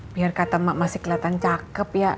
biar kata mak masih keliatan cakep ya